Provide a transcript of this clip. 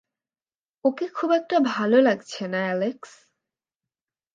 ওকে খুব একটা ভালো লাগছে না, অ্যালেক্স।